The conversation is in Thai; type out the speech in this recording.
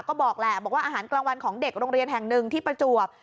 ก็บอกแหละอาหารกลางวันของเด็กโรงเรียนแห่ง๑ที่ประจวบ